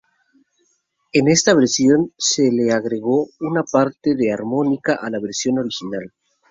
En esta versión se le agregó una parte de armónica a la versión original.